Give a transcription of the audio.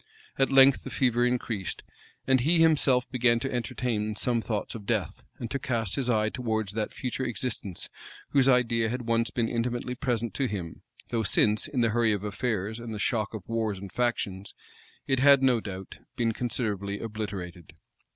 At length the fever increased, and he himself began to entertain some thoughts of death, and to cast his eye towards that future existence, whose idea had once been intimately present to him; though since, in the hurry of affairs, and the shock of wars and factions, it had, no doubt, been considerably obliterated.